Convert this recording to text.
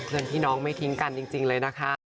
เงินพี่น้องไม่ทิ้งกันจริงเลยนะคะ